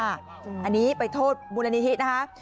อันนี้ไปโทษมูลนิธินะคะ